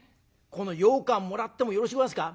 このようかんもらってもよろしゅうござんすか？